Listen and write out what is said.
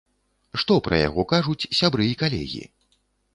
Што пра яго кажуць сябры і калегі?